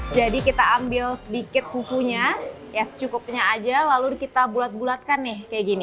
jadi kita ambil sedikit fufunya ya secukupnya aja lalu kita bulat bulatkan nih kayak gini